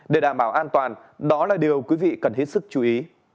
để đảm bảo an toàn đó là điều quý vị cần hết sức chú ý